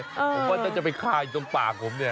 พวกจะไปคลาอยู่สมปากผมเนี่ย